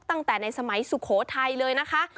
ตั้งแต่ในสมัยสุโขทัยเลยนะคะ